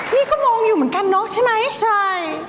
นี่ก็มองอยู่เหมือนกันเนอะใช่ไหมใช่